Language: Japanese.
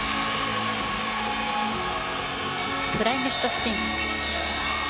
フライングシットスピン。